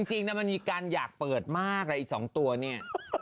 จริงนะมันมีการอยากเปิดมากเลยอีก๒ตัวเนี่ย